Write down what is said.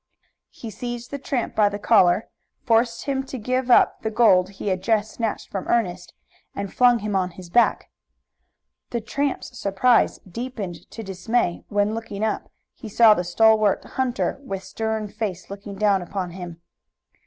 He seized the tramp by the collar, forced him to give up the gold he had just snatched from Ernest and flung him on his back. The tramp's surprise deepened to dismay when, looking up, he saw the stalwart hunter with stern face looking down upon him.